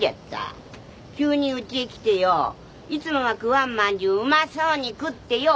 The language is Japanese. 急にウチへ来てよいつもは食わんまんじゅううまそうに食ってよ